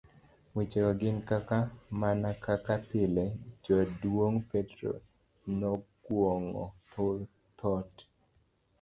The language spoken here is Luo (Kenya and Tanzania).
Wechego gin kaka, Mana kaka pile, jaduong Petro noguong'o thot